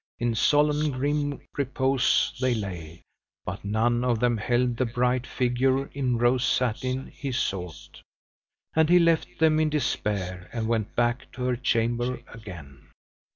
In solemn grim repose they lay; but none of them held the bright figure in rose satin he sought. And he left them in despair, and went back to her chamber again.